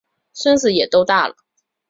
孙子也都大了